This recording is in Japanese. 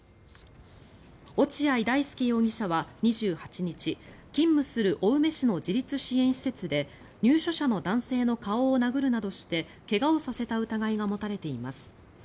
落合大丞容疑者は２８日勤務する青梅市の自立支援施設で入所者の男性の顔を殴るなどして怪我をさせた疑いが持たれています。